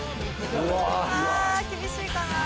あ厳しいかな。